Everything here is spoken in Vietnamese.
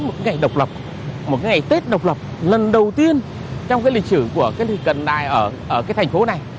một cái ngày độc lập một cái ngày tết độc lập lần đầu tiên trong cái lịch sử của cái lịch cận đài ở cái thành phố này